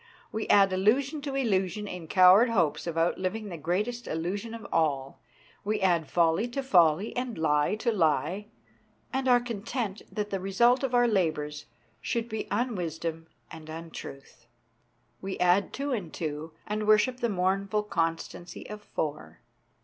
We add illusion to illusion in coward hopes of outliving the greatest illusion of all. We add folly to folly, and lie to lie, and are content that the results of our labours should be unwisdom and untruth. We add two to two and worship the mournful constancy of four.